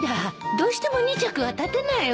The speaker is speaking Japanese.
どうしても２着は裁てないわ。